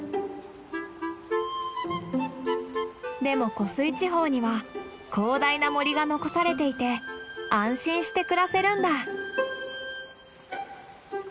でも湖水地方には広大な森が残されていて安心して暮らせるんだ。